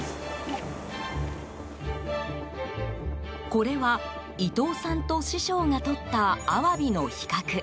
これは伊藤さんと師匠がとったアワビの比較。